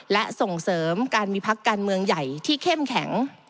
และส่งเสริมการมีพักการเมืองใหญ่ที่เข้มแข็ง